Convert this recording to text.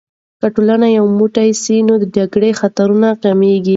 که ټولنه یو موټی سي، نو د جګړې خطرونه کمېږي.